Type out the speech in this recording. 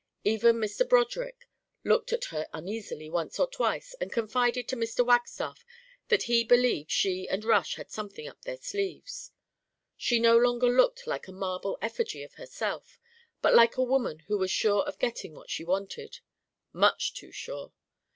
Even Mr. Broderick looked at her uneasily once or twice and confided to Mr. Wagstaff that he believed she and Rush had something up their sleeves; she no longer looked like a marble effigy of herself, but like a woman who was sure of getting what she wanted much too sure.